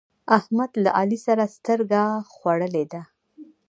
احمد له علي سره سترګه خوړلې ده.